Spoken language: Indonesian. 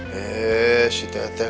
heee si teh teh